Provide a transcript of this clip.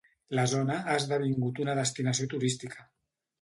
La zona ha esdevingut una destinació turística.